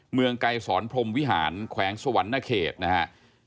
เมืองไกลศรพรมวิหารแขวงสวรรค์นาเขตนะฮะ